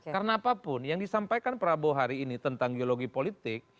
karena apapun yang disampaikan prabowo hari ini tentang geologi politik